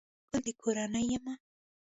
گل دکورنۍ يمه